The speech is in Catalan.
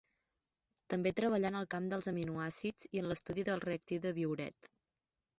També treballà en el camp dels aminoàcids i en l'estudi del reactiu de Biuret.